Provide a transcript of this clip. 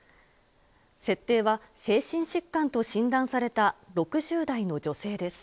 設定は精神疾患と診断された６０代の女性です。